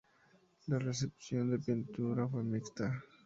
La recepción de la pintura fue mixta.